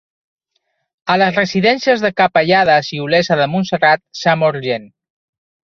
A les residències de Capellades i Olesa de Montserrat s'ha mort gent